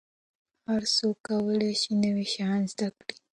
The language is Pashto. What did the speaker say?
هر څوک کولای سي نوي شیان زده کړي.